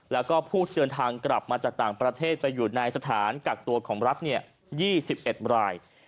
แล้วก็ผู้เดินทางกลับมาจากต่างประเทศไปอยู่ในสถานกักตัวของรัฐ๒๑ราย